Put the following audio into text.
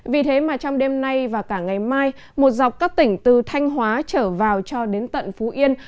vì thế mà trong đêm nay và cả ngày mai một dọc các tỉnh từ thanh hóa trở vào cho đến tận phú yên